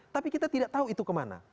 tapi kita tidak tahu itu kemana